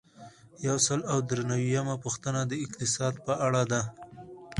یو سل او درې نوي یمه پوښتنه د اقتصاد په اړه ده.